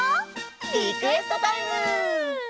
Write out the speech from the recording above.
リクエストタイム！